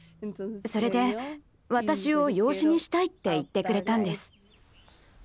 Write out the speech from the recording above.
それで私を養子にしたいって言ってくれたんです。